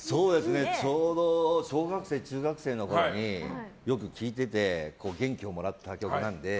ちょうど小学生、中学生の時によく聴いてて元気をもらった曲なので。